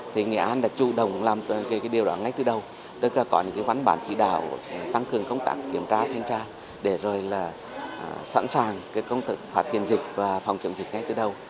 thì nghệ an đã chủ động làm điều đó ngay từ đầu tức là có những văn bản chỉ đạo tăng cường công tác kiểm tra thanh tra để rồi là sẵn sàng phát hiện dịch và phòng chống dịch ngay từ đầu